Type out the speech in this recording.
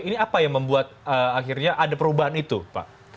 ini apa yang membuat akhirnya ada perubahan itu pak